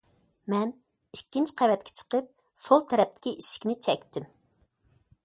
مەن ئىككىنچى قەۋەتكە چىقىپ، سول تەرەپتىكى ئىشىكنى چەكتىم.